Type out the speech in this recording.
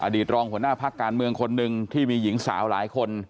ตรองหัวหน้าพักการเมืองคนหนึ่งที่มีหญิงสาวหลายคน